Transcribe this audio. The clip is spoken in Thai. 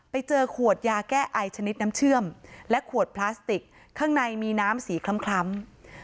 ไปเจอขวดยาแก้ไอชนิดน้ำเชื่อมและขวดพลาสติกข้างในมีน้ำสีคล้ำ